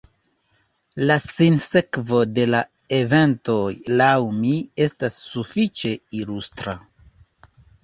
La sinsekvo de la eventoj, laŭ mi, estas sufiĉe ilustra.